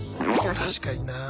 確かになあ。